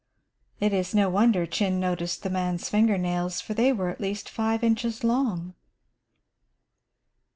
It is no wonder Chin noticed the man's finger nails, for they were at least five inches long.